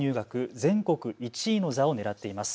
全国１位の座をねらっています。